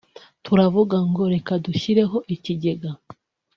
turavuga ngo reka dushyireho ikigega